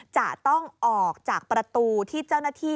จะต้องออกจากประตูที่เจ้าหน้าที่